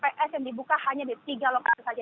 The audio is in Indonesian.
bahwa tps yang dibuka hanya di tiga lokasi saja